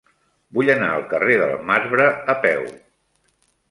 Vull anar al carrer del Marbre a peu.